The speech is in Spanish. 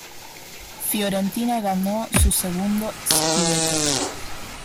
Fiorentina ganó su segundo "scudetto".